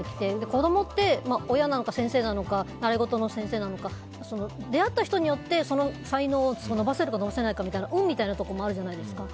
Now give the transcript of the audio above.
子供って、親なのか先生なのか習い事の先生なのか出会った人によってその才能を伸ばせるか伸ばせないかみたいな運みたいなところもあるじゃないですか。